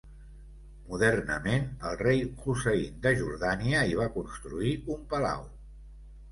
Modernament el rei Hussein de Jordània hi va construir un palau.